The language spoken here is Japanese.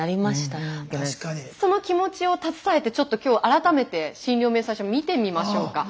その気持ちを携えてちょっと今日改めて診療明細書見てみましょうか。